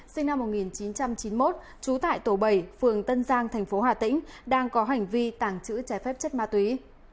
sinh năm một nghìn chín trăm chín mươi một trú tại tổ bảy phường tân giang thành phố hà tĩnh đang có hành vi tàng trữ trái phép chất ma túy